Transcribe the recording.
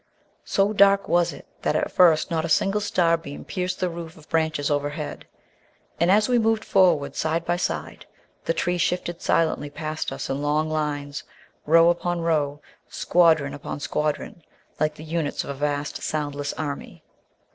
So dark was it that, at first, not a single star beam pierced the roof of branches overhead; and, as we moved forward side by side, the trees shifted silently past us in long lines, row upon row, squadron upon squadron, like the units of a vast, soundless army.